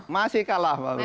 masih kalah pak prabu